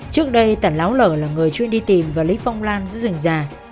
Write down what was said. trước đây tản láo lở là người chuyên đi tìm và lấy phong lan giữ rừng già